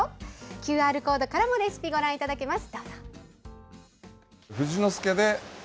ＱＲコードからもレシピご覧いただけます。